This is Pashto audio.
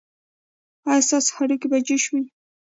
ایا ستاسو هګۍ به جوش وي؟